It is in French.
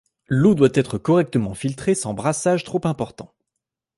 L'eau doit être correctement filtrée sans brassage trop important.